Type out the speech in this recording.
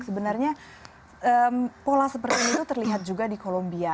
sebenarnya pola seperti ini terlihat juga di columbia